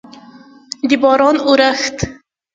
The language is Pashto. د باران اورښت